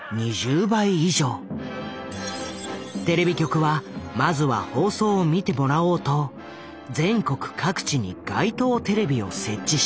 テレビ局はまずは放送を見てもらおうと全国各地に街頭テレビを設置した。